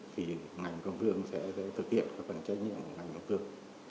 thì ngành công thương sẽ thực hiện các phần trách nhiệm